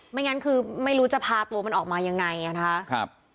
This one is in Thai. ไม่งั้นคือไม่รู้จะพาตัวมันออกมายังไงนะครับครับ